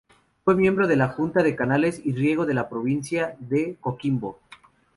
Fue miembro de la Junta de Canales y Riego de la provincia de Coquimbo.